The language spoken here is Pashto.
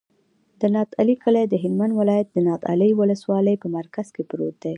د نادعلي کلی د هلمند ولایت، نادعلي ولسوالي په مرکز کې پروت دی.